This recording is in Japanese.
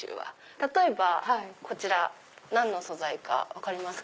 例えばこちら何の素材か分かりますか？